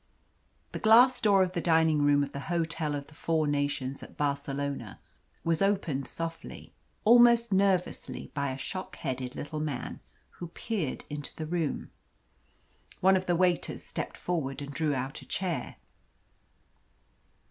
The glass door of the dining room of the Hotel of the Four Nations at Barcelona was opened softly, almost nervously, by a shock headed little man, who peered into the room. One of the waiters stepped forward and drew out a chair.